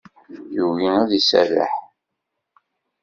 Yugi ad iserreḥ.